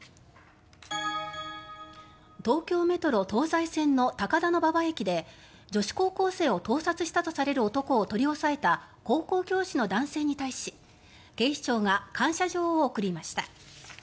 東京メトロ東西線の高田馬場駅で女子高校生を盗撮したとされる男を取り押さえた高校教師の男性に対し警視庁が感謝状を贈りました。